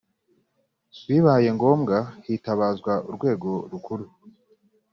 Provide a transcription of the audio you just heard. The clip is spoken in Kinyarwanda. bibaye ngombwa hitabazwa urwego rukuru.